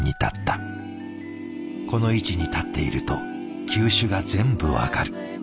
この位置に立っていると球種が全部分かる。